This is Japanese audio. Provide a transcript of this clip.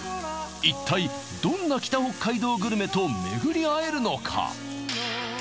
一体どんな北北海道グルメと巡りあえるのか？